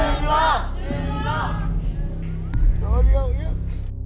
เงินอยู่หวาน